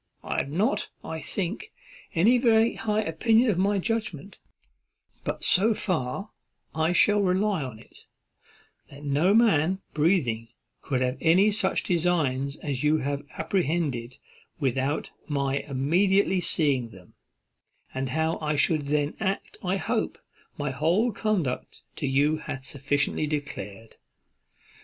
I have not, I think, any very high opinion of my judgment, but so far I shall rely upon it, that no man breathing could have any such designs as you have apprehended without my immediately seeing them; and how I should then act I hope my whole conduct to you hath sufficiently declared."